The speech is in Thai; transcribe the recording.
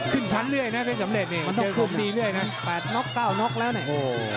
ขึ้นชั้นเรื่อยนะเพชรสำเร็จนี่มันเดินคุมดีเรื่อยนะ๘น็อก๙น็อกแล้วเนี่ย